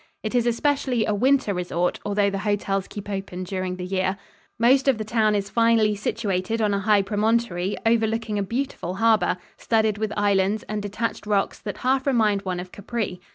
It is especially a winter resort, although the hotels keep open during the year. Most of the town is finely situated on a high promontory overlooking a beautiful harbor, studded with islands and detached rocks that half remind one of Capri.